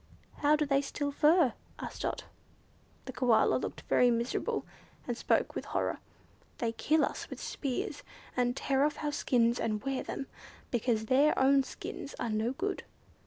"How do they steal fur?" asked Dot. The Koala looked very miserable, and spoke with horror. "They kill us with spears, and tear off our skins and wear them, because their own skins are no good."